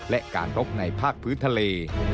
และการรบในภาคพื้นทะเล